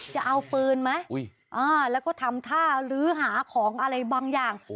จะเอาปืนไหมแล้วก็ทำท่าลื้อหาของอะไรบางอย่าง